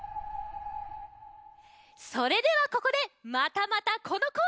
それではここでまたまたこのコーナー！